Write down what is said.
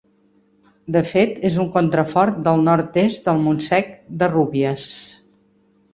De fet, és un contrafort del nord-est del Montsec de Rúbies.